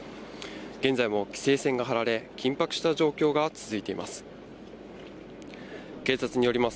現在も規制線が張られ、緊迫した状況が続いています。